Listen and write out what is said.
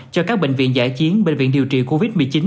cho các bệnh viện giải chiến bệnh viện điều trị covid một mươi chín